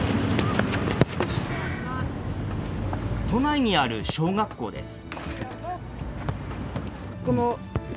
都内にある小学校です。